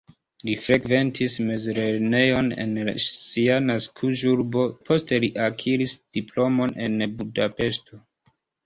Li frekventis mezlernejon en sia naskiĝurbo, poste li akiris diplomon en Budapeŝto.